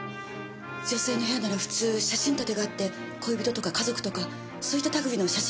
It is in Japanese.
女性の部屋なら普通写真立てがあって恋人とか家族とかそういった類の写真があるはずじゃない？